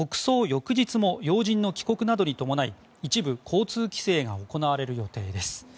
翌日も要人の帰国などに伴い一部交通規制が行われる予定です。